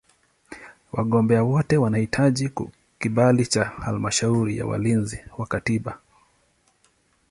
Wagombea wote wanahitaji kibali cha Halmashauri ya Walinzi wa Katiba.